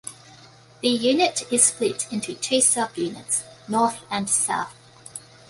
The unit is split into two sub units, North and South.